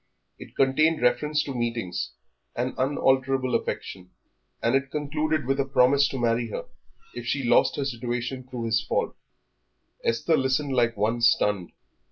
It contained reference to meetings and unalterable affection, and it concluded with a promise to marry her if she lost her situation through his fault. Esther listened like one stunned.